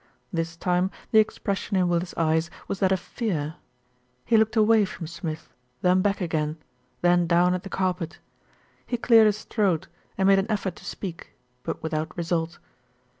This time the expression in Willis' eyes was that of fear. He looked away from Smith, then back again, then down at the carpet. He cleared his throat, and made an effort to speak; but without result.